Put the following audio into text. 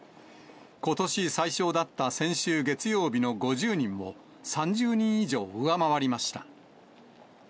ことし最少だった先週月曜日の５０人を３０人以上上回りました。